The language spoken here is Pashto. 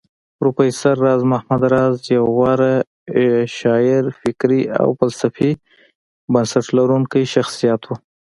پروفېسر راز محمد راز يو غوره شاعر فکري او فلسفي بنسټ لرونکی شخصيت و